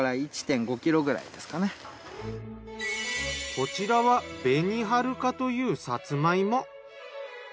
こちらはべにはるかというさつま芋。